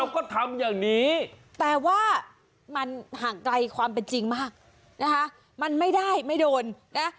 ก็ทำอย่างนี้แต่ว่ามันห่างไกลความเป็นจริงมากนะคะมันไม่ได้ไม่โดนนะ